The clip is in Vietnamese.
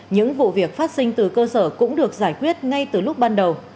những vụ việc phát sinh từ cơ sở cũng được giải quyết ngay từ lúc ban đầu